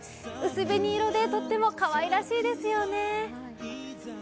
薄紅色でとってもかわいらしいですよね。